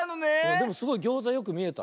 でもすごいギョーザよくみえた。